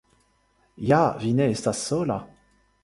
Ja vi ne estas sola.